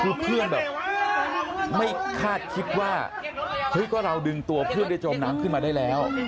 คือเพื่อนแบบไม่คาดคิดว่าเฮ้ยก็เราดึงตัวเพื่อนได้จมน้ำขึ้นมาได้แล้ว